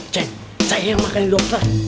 ceng saya yang panggil dokter